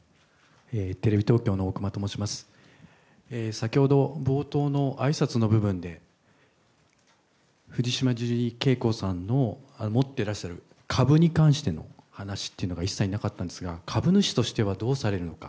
先ほど、冒頭のあいさつの部分で、藤島ジュリー景子さんの持ってらっしゃる株に関しての話というのが一切なかったんですが、株主としてはどうされるのか。